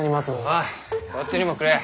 おいこっちにもくれ。